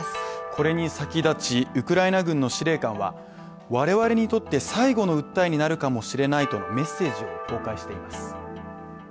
これに先立ち、ウクライナ軍の司令官は我々にとって最後の訴えになるかもしれないとのメッセージを公開しています。